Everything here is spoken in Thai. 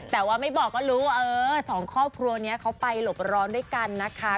แต่ว่าไม่บอกก็รู้ว่าเออสองครอบครัวนี้เขาไปหลบร้อนด้วยกันนะคะ